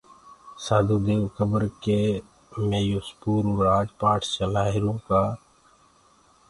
سآڌوٚ ديئو کَبَر ڪي مي يو پوٚرو رآج پآٽ چلآهيرونٚ ڪآ